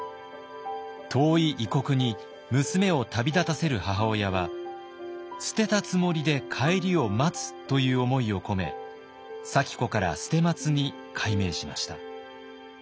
遠い異国に娘を旅立たせる母親は「捨てたつもりで帰りを待つ」という思いを込め咲子から「捨松」に改名しました。